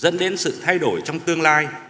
dẫn đến sự thay đổi trong tương lai